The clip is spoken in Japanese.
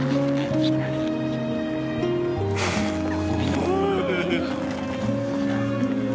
お！